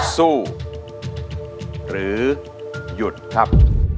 สู้หรือหยุดครับ